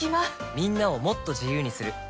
みんなをもっと自由にする「三菱冷蔵庫」